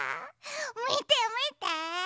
みてみて。